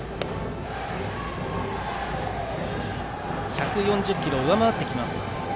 １４０キロを上回ってきます。